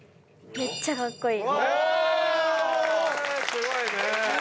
すごいね。